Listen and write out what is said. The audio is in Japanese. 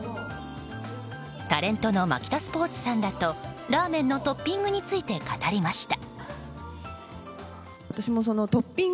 タレントのマキタスポーツさんらとラーメンのトッピングについて語りました。